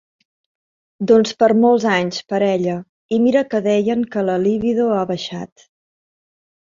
Doncs per molts anys parella, i mira que deien que la libido ha baixat.